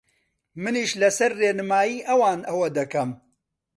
منیش لەسەر ڕێنمایی ئەوان ئەوە دەکەم